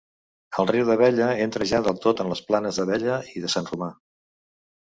El riu d'Abella entra ja del tot en les planes d'Abella i de Sant Romà.